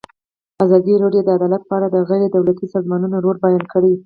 ازادي راډیو د عدالت په اړه د غیر دولتي سازمانونو رول بیان کړی.